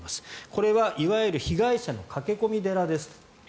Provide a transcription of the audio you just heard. これは、いわゆる被害者の駆け込み寺ですと。